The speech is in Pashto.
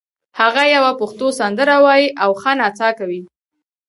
هغه یوه پښتو سندره وایي او ښه نڅا کوي